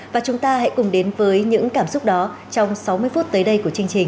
và chúng ta hãy cùng đến với những cảm xúc đó trong sáu mươi phút tới đây của chương trình